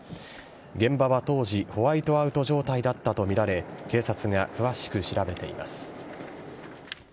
現場は当時ホワイトアウト状態だったとみられ警察が詳しく調べています。